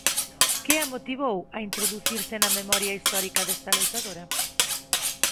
Que a motivou a introducirse na memoria histórica desta loitadora?